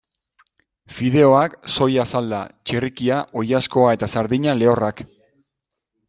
Fideoak, soia salda, txerrikia, oilaskoa eta sardina lehorrak.